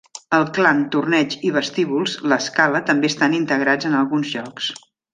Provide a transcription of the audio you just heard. El clan, torneig i vestíbuls l'escala també estan integrats en alguns jocs.